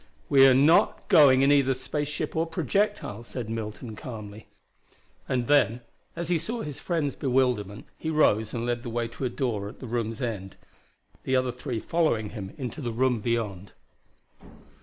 "We are not going in either space ship or projectile," said Milton calmly. And then as he saw his friend's bewilderment he rose and led the way to a door at the room's end, the other three following him into the room beyond.